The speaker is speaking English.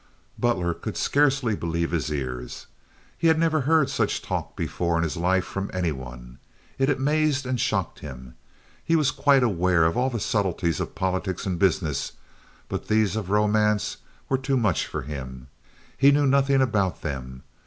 Butler could scarcely believe his ears. He had never heard such talk before in his life from any one. It amazed and shocked him. He was quite aware of all the subtleties of politics and business, but these of romance were too much for him. He knew nothing about them.